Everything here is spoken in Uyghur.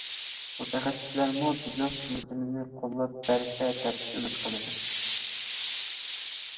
مۇتەخەسسىسلەرمۇ بىزنىڭ خىزمىتىمىزنى قوللاپ بەرسە، دەپ ئۈمىد قىلىمەن.